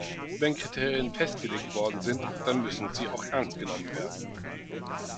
Wenn Kriterien festgelegt worden sind, dann müssen sie auch ernst genommen werden.